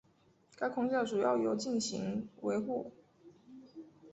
该框架主要由进行维护。